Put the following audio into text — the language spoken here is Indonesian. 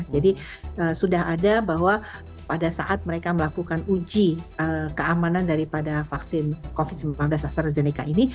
jadi sudah ada bahwa pada saat mereka melakukan uji keamanan daripada vaksin covid sembilan belas astrazeneca ini